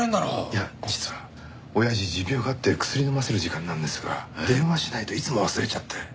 いや実は親父持病があって薬飲ませる時間なんですが電話しないといつも忘れちゃって。